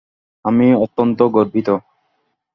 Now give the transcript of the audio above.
আমি অত্যন্ত গর্বিত।